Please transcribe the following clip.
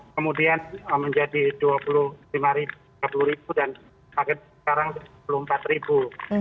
kemudian menjadi dua puluh lima tiga puluh ribu dan paket sekarang dua puluh empat ribu